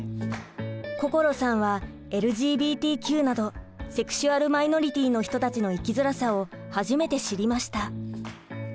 心さんはＬＧＢＴＱなどセクシュアルマイノリティーの人たちの生きづらさを初めて知りました。